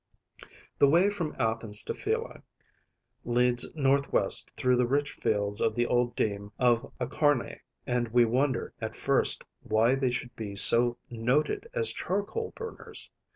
The way from Athens to Phyle leads north west through the rich fields of the old deme of Acharnæ; and we wonder at first why they should be so noted as charcoal burners.